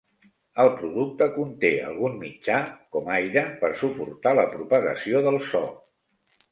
El producte conté algun mitjà, com aire, per suportar la propagació del so.